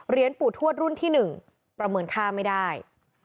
ปู่ทวดรุ่นที่๑ประเมินค่าไม่ได้